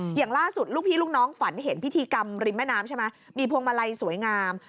อย่างล่าสุดลูกพี่ลูกน้องฝันเห็นพิธีกรรมริมแม่น้ำใช่ไหมมีพวงมาลัยสวยงาม